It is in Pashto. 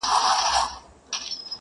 نوي نوي تختې غواړي قاسم یاره,